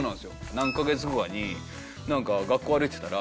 何カ月後かになんか学校歩いてたら。